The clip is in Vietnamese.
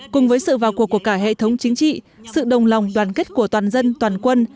cùng với sự vào cuộc của cả hệ thống chính trị sự đồng lòng đoàn kết của toàn dân toàn quân